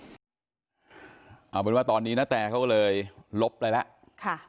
เอาเป็นว่าตอนนี้ณแตเขาก็เลยลบไปแล้ว